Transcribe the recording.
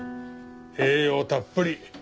栄養たっぷり。